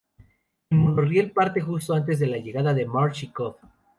El monorraíl parte justo antes de la llegada de Marge y Cobb.